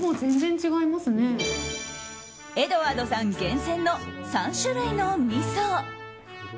エドワードさん厳選の３種類のみそ。